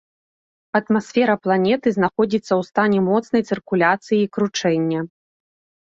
Атмасфера планеты знаходзіцца ў стане моцнай цыркуляцыі і кручэння.